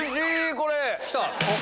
これ。